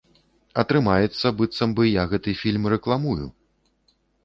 Атрымаецца, быццам бы я гэты фільм рэкламую.